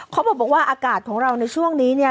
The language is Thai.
เขาบอกว่าอากาศของเราในช่วงนี้เนี่ย